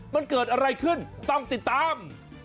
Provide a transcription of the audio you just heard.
มันเกิดอะไรขึ้นต้องติดตาม